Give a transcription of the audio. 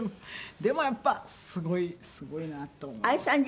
でもやっぱりすごいすごいなと思います。